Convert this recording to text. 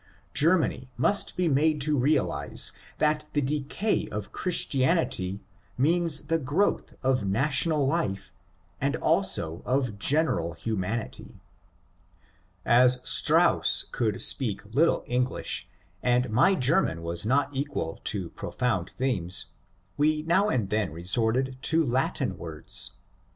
Germany must be made to realize that the decay of Christianity means the growth of national life, and also of general humanity. As Strauss could speak little English, and my German was not equal to profound themes, we now and then resorted to Latin words.